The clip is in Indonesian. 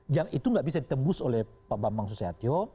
yang itu gak bisa ditembus oleh pak bang bang susatyo